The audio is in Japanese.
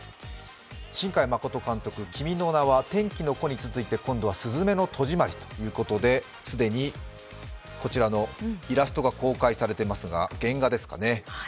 新海誠監督、「君の名は」、「天気の子」に続いて今度は「すずめの戸締り」ということで、既にこちらのイラストが公開されていますが、原画ですかね。